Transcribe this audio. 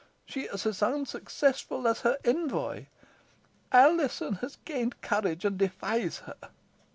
She is as unsuccessful as her envoy. Alizon has gained courage and defies her."